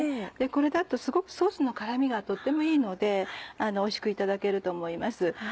これだとすごくソースの絡みがとてもいいのでおいしくいただけると思います。